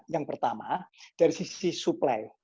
yang pertama dari sisi supply